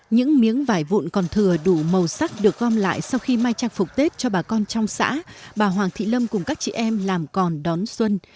những miếng vải vụn còn thừa đủ màu sắc được gom lại sau khi may trang phục tết cho bà con trong xã bà hoàng thị lâm cùng các chị em làm còn đón xuân